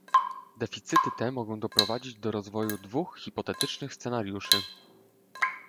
Deficyty te mogą doprowadzić do rozwoju dwóch hipotetycznych scenariuszy